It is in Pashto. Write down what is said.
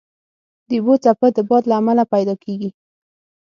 د اوبو څپه د باد له امله پیدا کېږي.